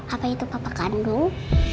apa itu papa kandung